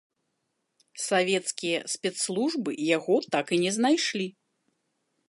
Савецкія спецслужбы яго так і не знайшлі.